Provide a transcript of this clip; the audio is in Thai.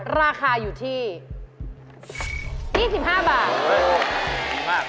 ราคาอยู่ที่๒๕บาท